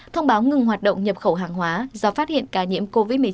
thông báo ngừng hoạt động nhập khẩu hàng hóa do phát hiện ca nhiễm covid một mươi chín trong nội địa